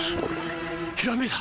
ひらめいた！